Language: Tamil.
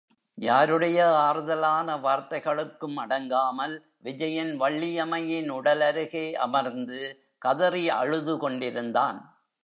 யாருடைய ஆறுதலான வார்த்தைகளுக்கும் அடங்காமல் விஜயன் வள்ளியம்மையின் உடல் அருகே அமர்ந்து கதறி அழுது கொண்டிருந்தான்.